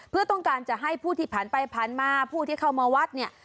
เพื่อต้องการจะให้ผู้ที่ผ่านไปผ่านมาผู้ที่เข้ามาวัดเนี่ย